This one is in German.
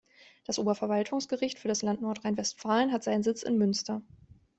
Das Oberverwaltungsgericht für das Land Nordrhein-Westfalen hat seinen Sitz in Münster.